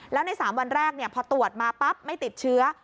แล้วใน๓วันแรกพอตรวจมาปั๊บไม่ติดเชื้อ